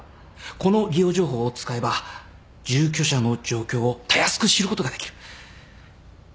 この利用情報を使えば住居者の状況をたやすく知ることができる。